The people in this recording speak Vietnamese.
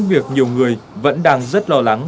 việc nhiều người vẫn đang rất lo lắng